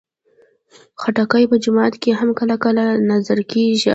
خټکی په جومات کې هم کله کله نذر کېږي.